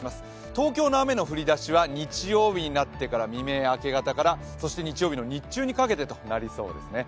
東京の雨の降り出しは日曜日になって未明、明け方からそして日曜日の日中にかけてとなりそうですね